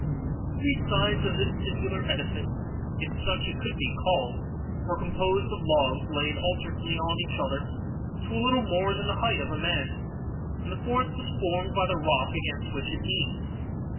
Three sides of this singular edifice, if such it could be called, were composed of logs laid alternately on each other, to a little more than the height of a man; and the fourth was formed by the rock against which it leaned.